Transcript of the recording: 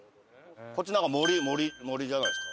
こっちなんか森森じゃないですか？